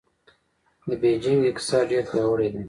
د بېجینګ اقتصاد ډېر پیاوړی دی.